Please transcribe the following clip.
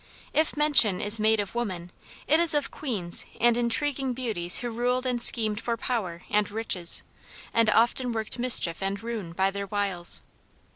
If mention is made of woman it is of queens and intriguing beauties who ruled and schemed for power and riches, and often worked mischief and ruin by their wiles.